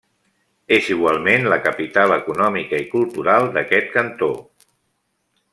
És igualment la capital econòmica i cultural d'aquest cantó.